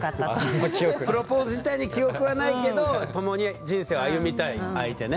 プロポーズ自体に記憶はないけど共に人生を歩みたい相手ね。